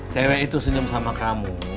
tele itu senyum sama kamu